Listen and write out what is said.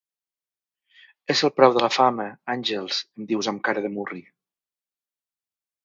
És el preu de la fama, Àngels –em dius amb cara de murri.